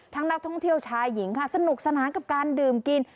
นักท่องเที่ยวชายหญิงค่ะสนุกสนานกับการดื่มกิน